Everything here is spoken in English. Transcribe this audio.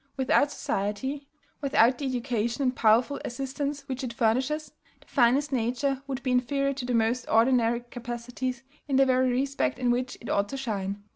Without society, without the education and powerful assistance which it furnishes, the finest nature would be inferior to the most ordinary capacities in the very respect in which it ought to shine.